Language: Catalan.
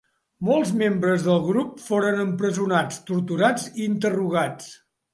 Molts membres del grup foren empresonats, torturats i interrogats.